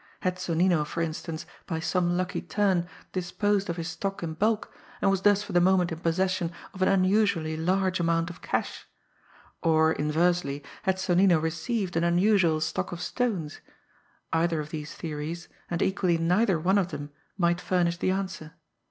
Had Sonnino, for instance, by some lucky turn, disposed of his stock in bulk, and was thus for the moment in possession of an unusually large amount of cash; or, inversely, had Sonnino received an unusual stock of stones? Either of these theories, and equally neither one of them, might furnish the answer!